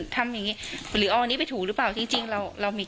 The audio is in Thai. ทำอย่างนี้หรือเอาอันนี้ไปถูหรือเปล่าจริงจริงเราเรามี